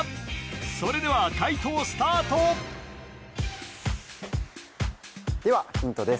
それでは解答スタートではヒントです